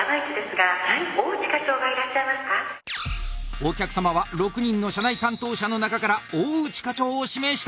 お客様は６人の社内担当者の中から大内課長を指名した。